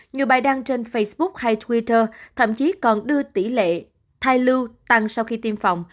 nhiều bài đăng trên facebook hay twitter thậm chí còn đưa tỷ lệ thai lưu tăng sau khi tiêm phòng